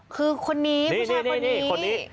คือคนนี้ผู้ชายคนนี้